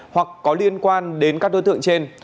hoặc có liên quan đến các đối tượng trên